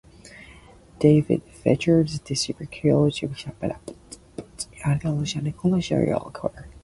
David Feherty described Furyk's swing as "an octopus falling out of a tree".